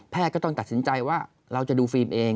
ก็ต้องตัดสินใจว่าเราจะดูฟิล์มเอง